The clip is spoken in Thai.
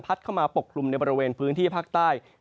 เข้ามาปกคลุมในบริเวณพื้นที่ภาคใต้